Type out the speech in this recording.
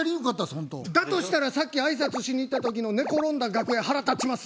だとしたらさっき挨拶しに行った時の寝転んだ楽屋腹立ちます！